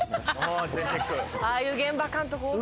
ああいう現場監督おる。